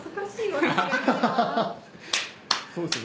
そうですね